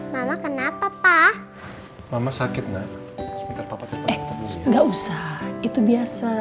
mama kenapa pa mama sakit nggak eh enggak usah itu biasa